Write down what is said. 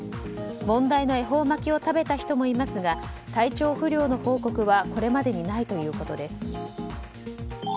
問題の恵方巻きを食べた人もいますが体調不良の報告はこれまでにないということです。